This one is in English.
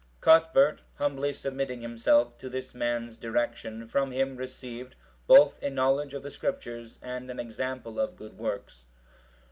Cuthbert, humbly submitting himself to this man's direction, from him received both a knowledge of the Scriptures, and an example of good works.